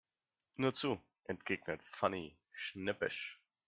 Nur zu, entgegnet Fanny schnippisch.